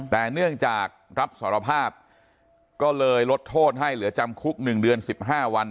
แต่เนื่องจากรับสารภาพก็เลยลดโทษให้เหลือจำคุก๑เดือน๑๕วัน